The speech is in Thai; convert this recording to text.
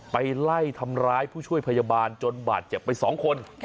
ไปไล่ทำร้ายผู้ช่วยพยาบาลจนบาดเจ็บไป๒คน